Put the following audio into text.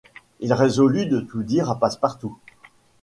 Il résolut de tout dire à Passepartout.